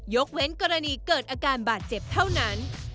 เว้นกรณีเกิดอาการบาดเจ็บเท่านั้น